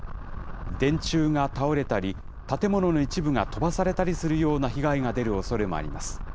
電柱が倒れたり、建物の一部が飛ばされたりするような被害が出るおそれもあります。